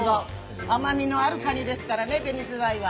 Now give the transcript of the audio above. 甘みのあるかにですからね、ベニズワイは。